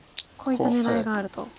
こういった狙いがあると。